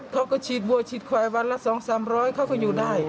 เขาก็ฉีดบัวฉีดไขววันละ๒๐๐๓๐๐บาทเขาก็อยู่ได้